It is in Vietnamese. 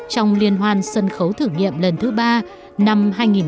trong liên hoan sân khấu thử nghiệm lần thứ ba năm hai nghìn một mươi tám